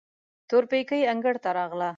تورپيکۍ انګړ ته راغله.